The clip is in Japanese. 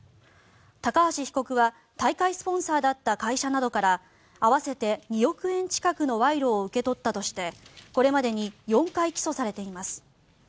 高橋被告は大会スポンサーだった会社などから合わせて２億円近くの賄賂を受け取ったとしてこれまでに４回起訴されています。